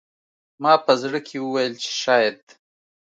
ما په زړه کې وویل چې شاید